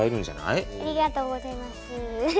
ありがとうございます。